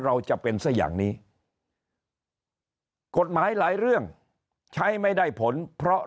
เราจะเป็นซะอย่างนี้กฎหมายหลายเรื่องใช้ไม่ได้ผลเพราะ